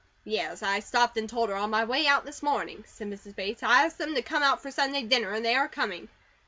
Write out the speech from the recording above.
"Yes. I stopped and told her on my way out, this morning," said Mrs. Bates. "I asked them to come out for Sunday dinner, and they are coming."